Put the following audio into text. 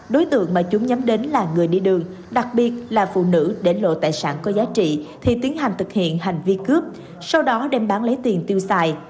đối tượng mà chúng nhắm đến là người đi đường đặc biệt là phụ nữ để lộ tài sản có giá trị thì tiến hành thực hiện hành vi cướp sau đó đem bán lấy tiền tiêu xài